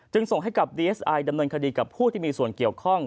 ส่งให้กับดีเอสไอดำเนินคดีกับผู้ที่มีส่วนเกี่ยวข้อง